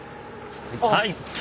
はい。